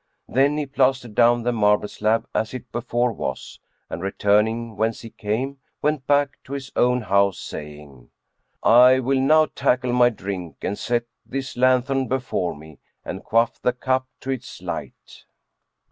Then he plastered down the marble slab as it before was, and returning whence he came, went back to his own house, saying, "I will now tackle my drink and set this lanthorn before me and quaff the cup to its light."